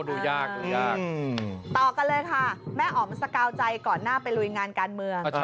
ดูยากดูยากต่อกันเลยค่ะแม่อ๋อมสกาวใจก่อนหน้าไปลุยงานการเมือง